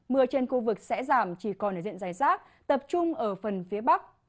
mưa trên khu vực sẽ giảm chỉ còn ở diện dài rác tập trung ở phần phía bắc